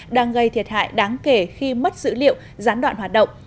đang gây thiệt hại đáng kể khi mất dữ liệu gián đoạn hoạt động